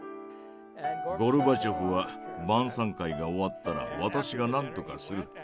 ゴルバチョフは「晩餐会が終わったら私が何とかする。